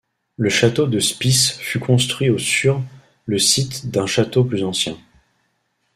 Le château de Spiš fut construit au sur le site d'un château plus ancien.